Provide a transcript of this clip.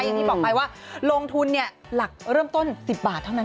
อย่างที่บอกไปว่าลงทุนหลักเริ่มต้น๑๐บาทเท่านั้น